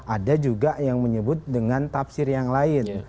ada juga yang menyebut dengan tafsir yang lain